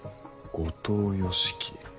後藤芳樹。